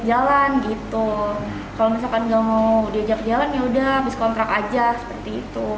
jalan gitu kalau misalkan nggak mau diajak jalan ya udah habis kontrak aja seperti itu